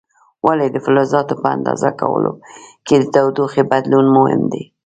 ولې د فلزاتو په اندازه کولو کې د تودوخې بدلون مهم دی؟